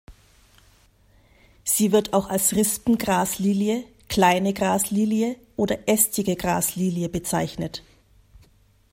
Sie wird auch als Rispen-Graslilie, Kleine Graslilie oder Ästige Graslilie bezeichnet.